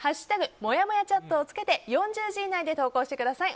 「＃もやもやチャット」をつけて４０文字以内で投稿してください。